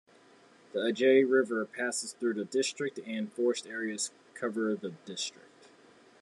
The Ajay River passes through the district and forest areas cover the district.